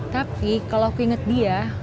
tapi kalau aku ingat dia